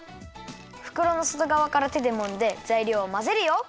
ふくろのそとがわからてでもんでざいりょうをまぜるよ！